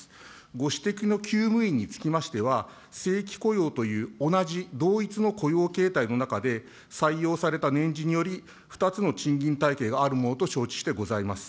ご指摘のきゅう務員につきましては、正規雇用という同じ同一の雇用形態の中で、採用された年次により、２つの賃金体系があるものと承知してございます。